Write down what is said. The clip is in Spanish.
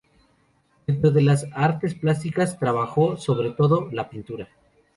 Dentro de las artes plásticas trabajó, sobre todo, la pintura.